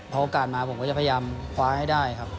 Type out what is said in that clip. เพราะโอกาสมาผมก็จะพยายามคว้าให้ได้ครับ